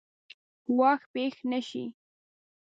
ګواښ پېښ نه شي.